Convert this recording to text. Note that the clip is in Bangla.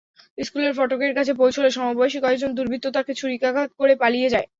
স্কুলের ফটকের কাছে পৌঁছালে সমবয়সী কয়েকজন দুর্বৃত্ত তাকে ছুরিকাঘাত করে পালিয়ে যায়।